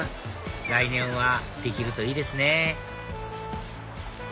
来年はできるといいですね